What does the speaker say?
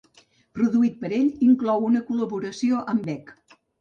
Produït per ell, inclou una col·laboració amb Beck.